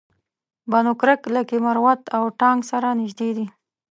بنو کرک لکي مروت او ټانک سره نژدې دي